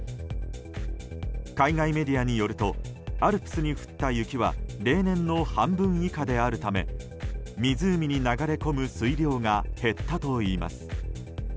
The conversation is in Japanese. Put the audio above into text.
海外メディアによるとアルプスに降った雪は例年の半分以下であるため湖に流れ込む水量が減ったといいます。